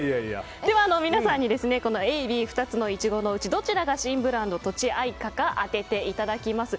皆さんにＡ、Ｂ、２つのイチゴのうちどちらが新ブランドとちあいかなのか当てていただきます。